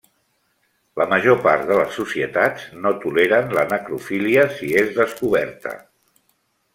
La major part de les societats no toleren la necrofília si és descoberta.